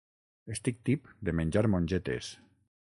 Estic tip de menjar mongetes.